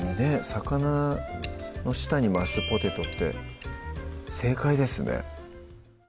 魚の下にマッシュポテトって正解ですね